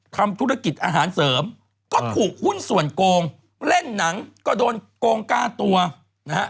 ทำธุรกิจอาหารเสริมก็ถูกหุ้นส่วนโกงเล่นหนังก็โดนโกงกล้าตัวนะฮะ